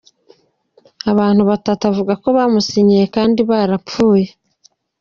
abantu batatu avuga ko bamusinyiye kandi barapfuye.